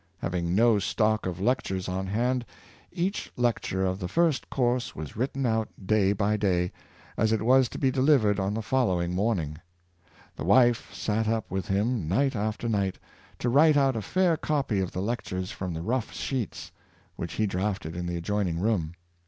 Having no stock of lectures on hand, each lecture of the first course was written out day by day, as it was to be delivered on the following morning. His wife sat up with him night after night, to write out a fair copy of the lectures from the rough sheets, which he drafted in the adjoining room.